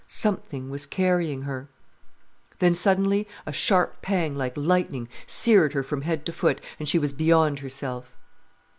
Something was carrying her. Then suddenly a sharp pang, like lightning, seared her from head to foot, and she was beyond herself.